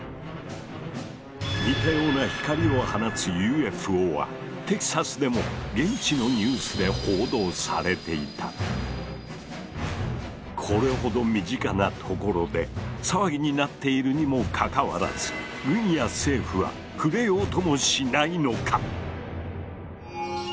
似たような光を放つＵＦＯはテキサスでも現地のこれほど身近なところで騒ぎになっているにもかかわらず軍や政府は触れようともしないのか⁉